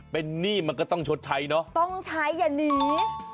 เป็นหนี้มันก็ต้องชดใช้เนอะต้องใช้อย่าหนี